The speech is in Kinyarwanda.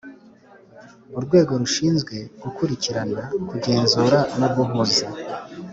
urwego rushinzwe gukurikirana kugenzura no guhuza